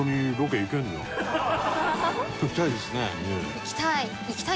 行きたい！